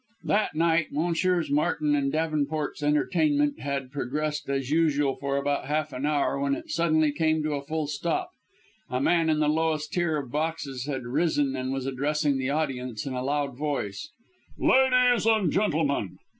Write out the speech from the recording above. That night Messrs. Martin and Davenport's entertainment had progressed as usual for about half an hour when it suddenly came to a full stop. A man in the lowest tier of boxes had risen and was addressing the audience in a loud voice: "Ladies and gentlemen!"